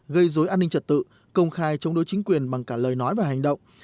gây dối an ninh trật tự công khai chống đối chính quyền bằng cả lời nói và hành động